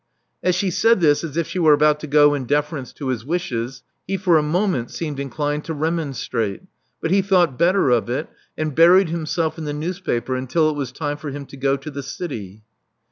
As she said this as if she were about to go in deference to his wishes, he for a moment seemed inclined to remon strate ; but he thought better of it, and buried himself in the newspaper until it was time for him to go to the city.